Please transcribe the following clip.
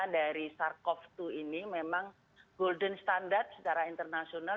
dari sars cov dua ini memang golden standard secara internasional